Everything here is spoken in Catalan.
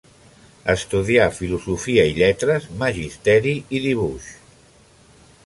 Estudià Filosofia i Lletres, Magisteri i dibuix.